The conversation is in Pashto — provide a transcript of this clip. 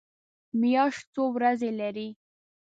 میاشت څو ورځې لري؟